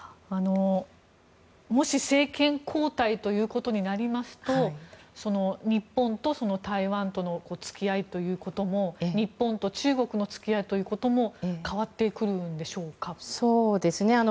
もし政権交代ということになりますと日本と台湾との付き合いということも日本と中国の付き合いということも変わってくるんでしょうか？